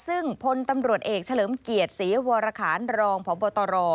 ซึ่งพลตำรวจเอกเฉลิมเกียรติศรีวรคารรองพบตร